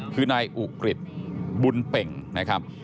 คือนายอุกฤษบุญเป่งนะครับ